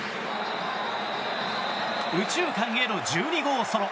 右中間への１２号ソロ。